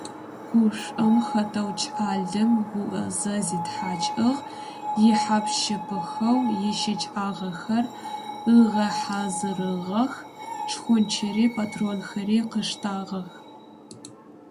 Гушӏом хэтэу кӏалэм гуӏэзэ зитхьакӏыгъ, ихьап-щыпыхэу ищыкӏагъэхэр ыгъэхьазырыгъэх, шхончыри патронхэри къыштагъэх.